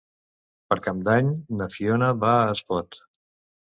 Per Cap d'Any na Fiona va a Espot.